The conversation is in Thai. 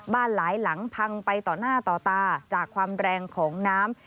หลายหลังพังไปต่อหน้าต่อตาจากความแรงของน้ำ